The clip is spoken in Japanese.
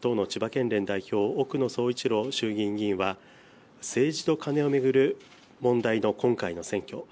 党の千葉県連代表、奥野総一郎、衆議院議員は政治とカネを巡る問題の今回の選挙。